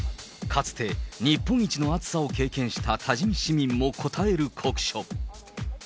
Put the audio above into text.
かつて日本一の暑さを経験した多治見市民もこたえる酷暑。